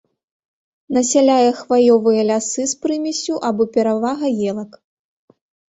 Насяляе хваёвыя лясы з прымессю або перавагай елак.